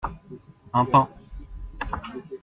Un pain.